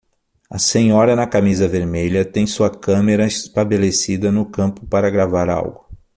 A senhora na camisa vermelha tem sua câmera estabelecida no campo para gravar algo.